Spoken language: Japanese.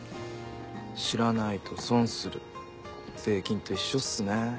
知らないと損する税金と一緒っすね。